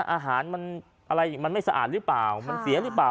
อาหารมันอะไรมันไม่สะอาดหรือเปล่ามันเสียหรือเปล่า